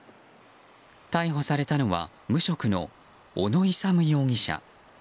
逮捕されたのは無職の小野勇容疑者。